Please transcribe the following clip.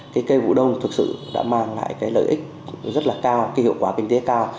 cái cây vụ đông thực sự đã mang lại cái lợi ích rất là cao cái hiệu quả kinh tế cao